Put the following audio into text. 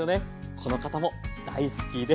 この方も大好きです。